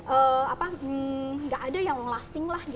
enggak ada yang ngelasting lah